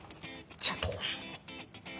じゃあどうすんの？